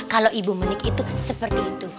kalau ibu menik itu seperti itu